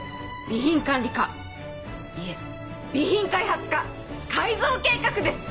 備品管理課いえ備品開発課改造計画です！